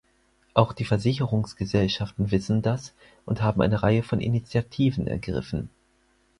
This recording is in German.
Auch die Versicherungsgesellschaften wissen das und haben eine Reihe von Initiativen ergriffen.